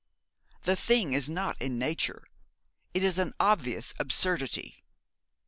The thing is not in nature; it is an obvious absurdity.